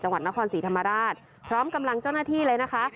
จังหวัดนครศรีธรรมราชพร้อมกำลังเจ้าหน้าที่เลยนะคะ